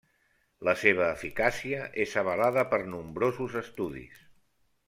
La seva eficàcia és avalada per nombrosos estudis.